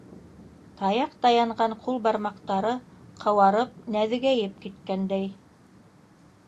Таяҡ таянған ҡул бармаҡтары ҡыуарып, нәҙегәйеп киткәндәй.